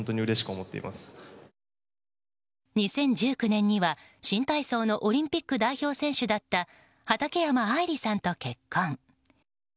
２０１９年には、新体操のオリンピック代表選手だった畠山愛理さんと結婚。